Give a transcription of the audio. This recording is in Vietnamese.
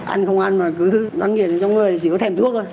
ăn không ăn mà cứ đăng nghiện trong người chỉ có thèm thuốc thôi